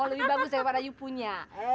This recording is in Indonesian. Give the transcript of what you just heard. lebih bagus daripada you punya